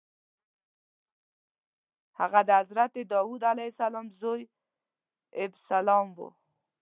هغه د حضرت داود علیه السلام زوی ابسلام و.